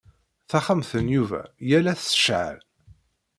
Taxxamt n Yuba yal ass tceɛɛel.